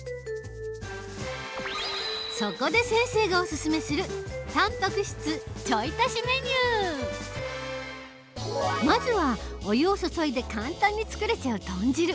そこで先生がお勧めするまずはお湯を注いで簡単に作れちゃう豚汁。